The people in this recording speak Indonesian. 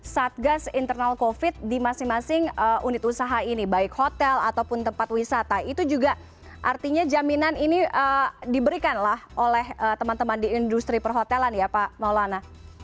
satgas internal covid di masing masing unit usaha ini baik hotel ataupun tempat wisata itu juga artinya jaminan ini diberikanlah oleh teman teman di industri perhotelan ya pak maulana